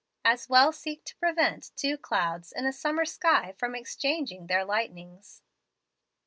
As well seek to prevent two clouds in a summer sky from exchanging their lightnings!